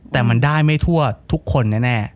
แต่มันได้ไม่ทั่วทุกคนแน่